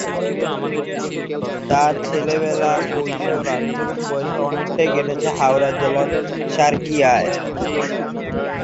তাঁর ছেলেবেলা, কৈশোর আর তরুণ বয়সের অনেকটাই কেটেছে হাওড়া জেলার সালকিয়ায়।